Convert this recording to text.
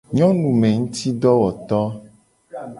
Nyonumengutidowoto.